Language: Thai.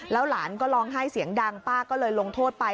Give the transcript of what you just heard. หลานก็ร้องไห้เสียงดังป้าก็เลยลงโทษไป